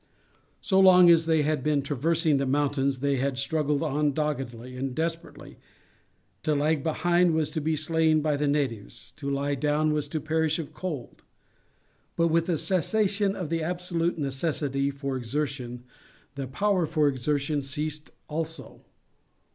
So long as they had been traversing the mountains they had struggled on doggedly and desperately; to lag behind was to be slain by the natives, to lie down was to perish of cold; but with the cessation of the absolute necessity for exertion the power for exertion ceased also.